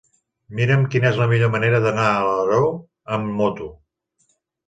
Mira'm quina és la millor manera d'anar a Alaró amb moto.